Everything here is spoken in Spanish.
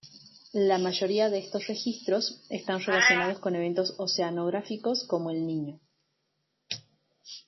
La mayoría de estos registros están relacionados con eventos oceanográficos como "El Niño".